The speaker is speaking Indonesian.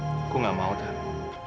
aku gak mau daryl